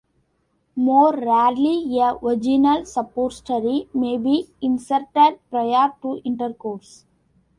More rarely, a vaginal suppository may be inserted prior to intercourse.